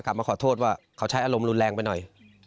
มาขอโทษว่าเขาใช้อารมณ์รุนแรงไปหน่อย